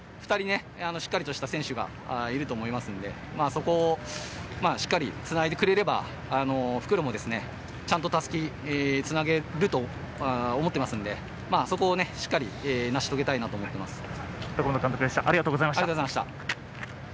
２人、しっかりした選手がいると思いますので、そこをしっかりつないでくれれば、復路もちゃんと襷をつなげると思っていますので、しっかり成し遂げたいと思います。